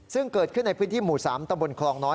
ซึ่งเกิดขึ้นในพื้นที่หมู่๓ตะบนคลองน้อย